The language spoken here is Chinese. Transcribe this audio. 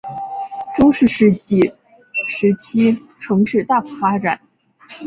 中世纪时期城市大幅发展。